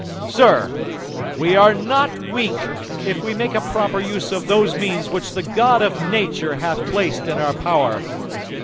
Sir, we are not weak if we make a proper use of those means which the God of nature hath placed in our power.